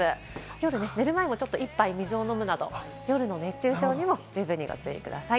夜寝る前もいっぱい水を飲むなど、夜の熱中症にも十分にご注意ください。